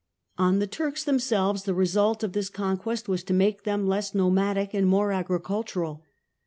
On the Turks themselves the result of this conquest was to make them less nomadic and more agricultural.